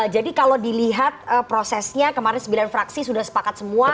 jadi kalau dilihat prosesnya kemarin sembilan fraksi sudah sepakat semua